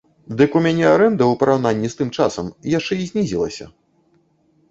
Дык у мяне арэнда ў параўнанні з тым часам яшчэ і знізілася!